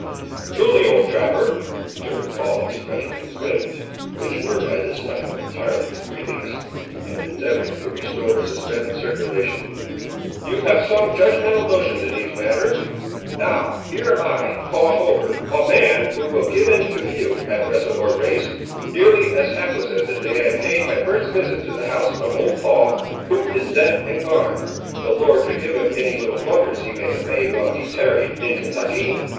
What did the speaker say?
"Truly, old trapper," returned Paul, stretching his limbs, which were by this time entirely released, and endeavouring to restore the suspended circulation, "you have some judgmatical notions in these matters. Now here am I, Paul Hover, a man who will give in to few at wrestle or race, nearly as helpless as the day I paid my first visit to the house of old Paul, who is dead and gone,—the Lord forgive him any little blunders he may have made while he tarried in Kentucky!